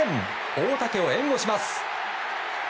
大竹を援護します。